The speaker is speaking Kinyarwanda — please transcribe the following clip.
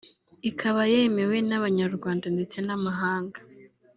ikaba yemewe n’abanyarwanda ndetse n’amahanga